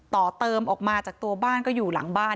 ต่อเติมออกมาจากตัวบ้านก็อยู่หลังบ้าน